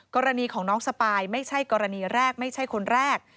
กรณีของน้องสปายไม่ใช่กรณีแรกไม่ใช่คนแรก